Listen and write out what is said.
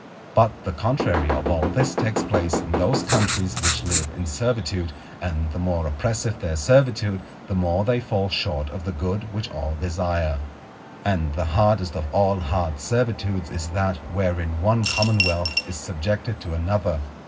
But the contrary of all this takes place in those countries which live in servitude, and the more oppressive their servitude, the more they fall short of the good which all desire. And the hardest of all hard servitudes is that wherein one commonwealth is subjected to another.